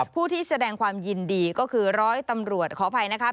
ผู้ที่แสดงความยินดีก็คือร้อยตำรวจขออภัยนะครับ